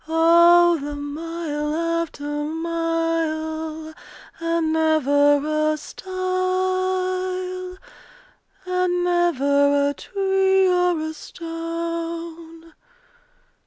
Oh the mile after mile, And never a stile! And never a tree or a stone!